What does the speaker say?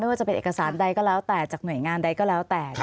ว่าจะเป็นเอกสารใดก็แล้วแต่จากหน่วยงานใดก็แล้วแต่